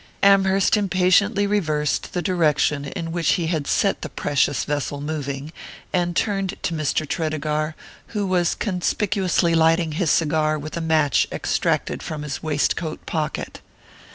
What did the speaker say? Amherst impatiently reversed the direction in which he had set the precious vessel moving, and turned to Mr. Tredegar, who was conspicuously lighting his cigar with a match extracted from his waist coat pocket.